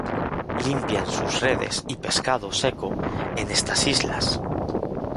Limpian sus redes y pescado seco en estas islas.